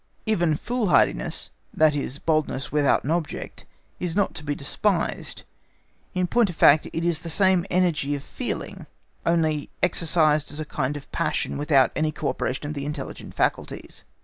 Even foolhardiness, that is boldness without an object, is not to be despised; in point of fact it is the same energy of feeling, only exercised as a kind of passion without any co operation of the intelligent faculties.